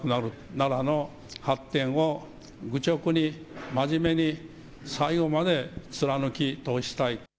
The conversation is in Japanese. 奈良の発展を愚直に、真面目に最後まで貫き通したい。